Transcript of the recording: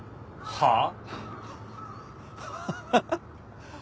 はあ？